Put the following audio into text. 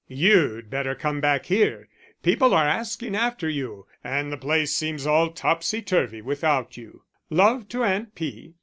You'd better come back here, people are asking after you, and the place seems all topsy turvy without you. Love to Aunt P.